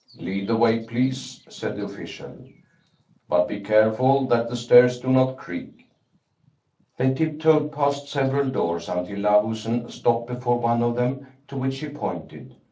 " Lead the way, please," said the official. " But be care ful that the stairs do not creak." They tiptoed past several doors until Lahusen stopped before one of them, to which he pointed.